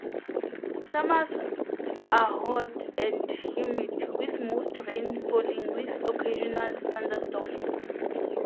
Summers are hot and humid, with most rain falling with occasional thunderstorms.